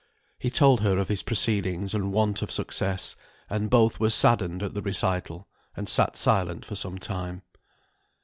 He told her of his proceedings and want of success; and both were saddened at the recital, and sat silent for some time.